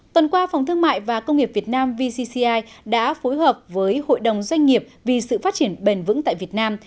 tuần qua phòng thương mại và công nghiệp việt nam vcci đã phối hợp với hội đồng doanh nghiệp vì sự phát triển bền vững tại việt nam